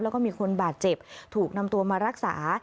แล้วก็มีคนบาดเจ็บถูกนำตัวมารักษา